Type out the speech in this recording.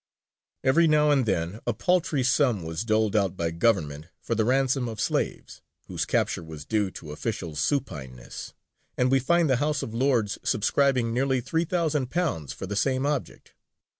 Every now and then a paltry sum was doled out by Government for the ransom of slaves, whose capture was due to official supineness; and we find the House of Lords subscribing nearly £3,000 for the same object.